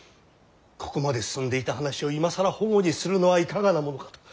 ここまで進んでいた話を今更反故にするのはいかがなものかと。